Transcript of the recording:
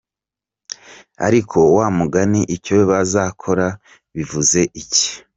ariko wamugani icyo bazakora bivuze iki?